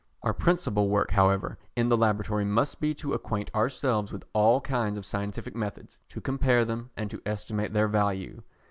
Our principal work, however, in the Laboratory must be to acquaint ourselves with all kinds of scientific methods, to compare them, and to estimate their value.